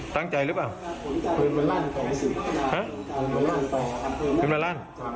ตั้งใจหรือเปล่า